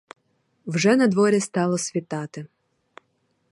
Вже надворі стало світати.